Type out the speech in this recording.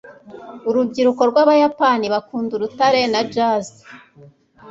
urubyiruko rwabayapani bakunda urutare na jazz